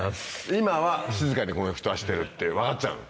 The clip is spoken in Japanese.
今は静かにこの人はしてるって分かっちゃうの？